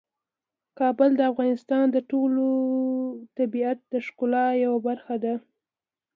کابل د افغانستان د ټول طبیعت د ښکلا یوه برخه ده.